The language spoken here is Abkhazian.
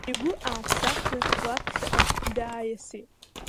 Игәы ааԥсахны лаԥхьаҟа дааиасит.